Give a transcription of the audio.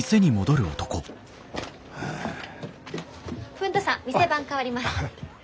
文太さん店番代わります。